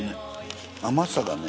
甘さがね